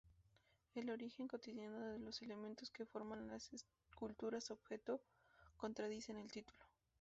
El origen cotidiano de los elementos que forman las esculturas-objeto contradicen el título.